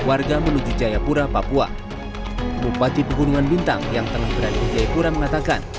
warga menuju jayapura papua bupati pembunuhan bintang yang telah berani menjaga mengatakan